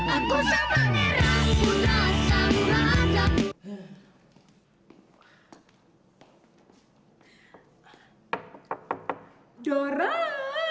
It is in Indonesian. aduh kaget banget